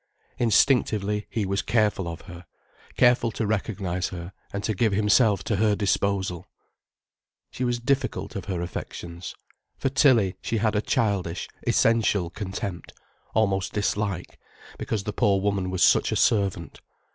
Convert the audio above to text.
Instinctively he was careful of her, careful to recognize her and to give himself to her disposal. She was difficult of her affections. For Tilly, she had a childish, essential contempt, almost dislike, because the poor woman was such a servant.